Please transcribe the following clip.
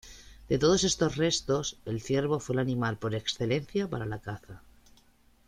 De todos estos restos, el ciervo fue el animal por excelencia para la caza.